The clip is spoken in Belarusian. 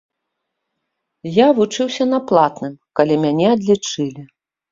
Я вучыўся на платным, калі мяне адлічылі.